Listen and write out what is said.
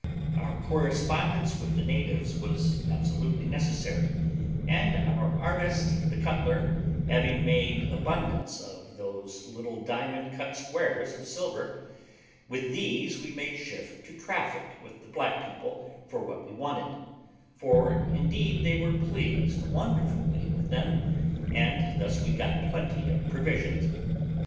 Our correspondence with the natives was absolutely necessary, and our artist the cutler having made abundance of those little diamond cut squares of silver, with these we made shift to traffic with the black people for what we wanted; for indeed they were pleased wonderfully with them, and thus we got plenty of provisions.